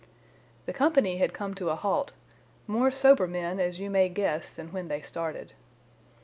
"The company had come to a halt, more sober men, as you may guess, than when they started.